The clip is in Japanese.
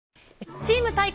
チーム対抗！